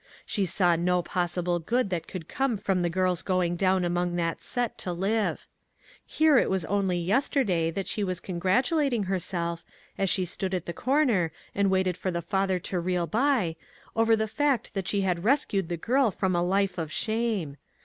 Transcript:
She saw no possi ble good that could come from the girl's going down among that set to live. Here it was only yesterday that she was con gratulating herself, as she stood at the corner, and waited for the father to reel by, over the fact that she had rescued the girl from a life of shame.